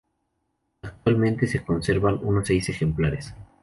Actualmente se conservan unos seis ejemplares.